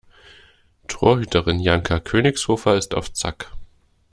Torhüterin Janka Königshofer ist auf Zack.